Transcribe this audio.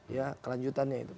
ya kelanjutannya itu